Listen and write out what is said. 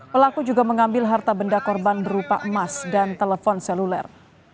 pelaku juga mengambil harta benda korban berupa emas dan telepon seluler